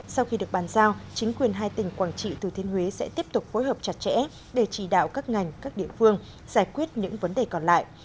sau khi được bàn giao chính quyền hai tỉnh quảng trị thừa thiên huế sẽ tiếp tục phối hợp chặt chẽ để chỉ đạo các ngành các địa phương giải quyết những vấn đề còn lại